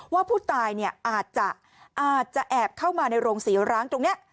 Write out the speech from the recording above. ว่าผู้ตายเนี่ยอาจจะแอบเข้ามาในโรงศรีร้างตรงนี้